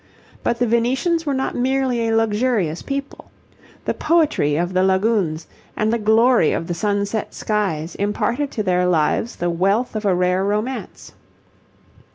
But the Venetians were not merely a luxurious people. The poetry of the lagoons, and the glory of the sunset skies, imparted to their lives the wealth of a rare romance.